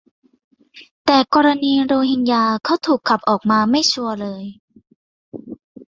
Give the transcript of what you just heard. แต่กรณีโรฮิงญา เขา 'ถูกขับ' ออกมา - ไม่ชัวร์เลย